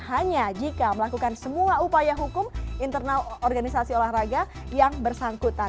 hanya jika melakukan semua upaya hukum internal organisasi olahraga yang bersangkutan